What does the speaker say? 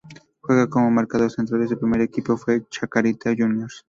Juega como marcador central y su primer equipo fue Chacarita Juniors.